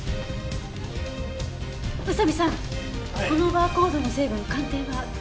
このバーコードの成分鑑定は。